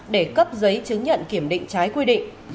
để cấp giấy chứng nhận kiểm định trái quy định